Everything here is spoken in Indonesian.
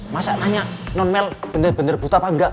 masa nanya non mel bener bener buta apa enggak